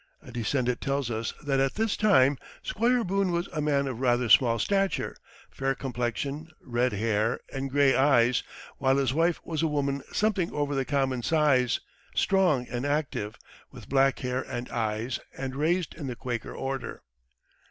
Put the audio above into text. A descendant tells us that at this time "Squire Boone was a man of rather small stature, fair complexion, red hair, and gray eyes; while his wife was a woman something over the common size, strong and active, with black hair and eyes, and raised in the Quaker order."